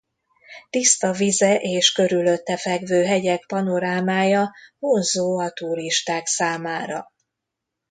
Tiszta vize és körülötte fekvő hegyek panorámája vonzó a turisták számára.